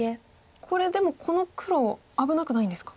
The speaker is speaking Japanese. これでもこの黒危なくないんですか？